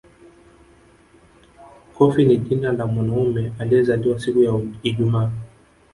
Kofi ni jina la mwanamume aliyezaliwa siku ya Ijumaa